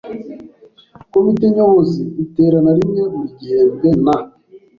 Komite Nyobozi iterana rimwe buri gihembwe na